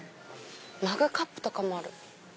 マグカップとかもある。